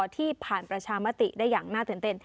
ที่ผ่านประชามติได้อย่างน่าตื่นเต้น